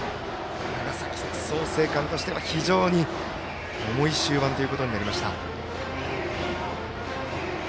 長崎、創成館としては非常に重い終盤ということになりました。